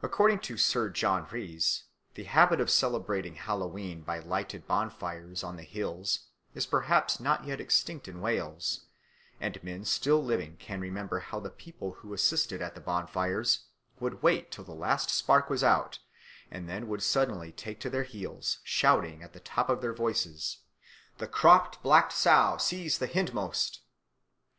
According to Sir John Rhys, the habit of celebrating Hallowe'en by lighting bonfires on the hills is perhaps not yet extinct in Wales, and men still living can remember how the people who assisted at the bonfires would wait till the last spark was out and then would suddenly take to their heels, shouting at the top of their voices, "The cropped black sow seize the hindmost!"